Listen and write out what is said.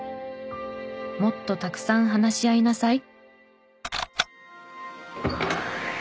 「もっとたくさん話し合いなさい」。